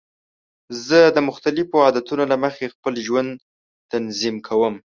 زه د مختلفو عادتونو له مخې خپل ژوند تنظیم کوم.